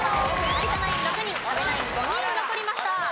有田ナイン６人阿部ナイン５人残りました。